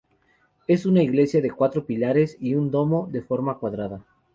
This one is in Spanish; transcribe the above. Es una iglesia de cuatro pilares y un domo, de forma cuadrada.